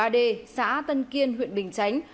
năm mươi một mươi ba d xã tân kiên huyện bình chánh